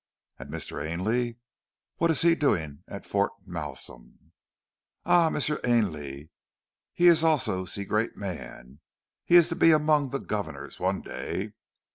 "And Mr. Ainley, what is he doing at Fort Malsun?" "Ah, M'sieu Ainley! He also is ze great man. He is to be among the governors one day.